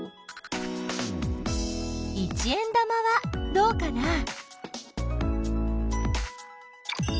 一円玉はどうかな？